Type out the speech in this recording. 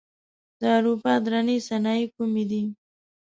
د اروپا درنې صنایع کومې دي؟